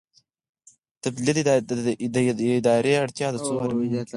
تبدیلي د ادارې اړتیا ده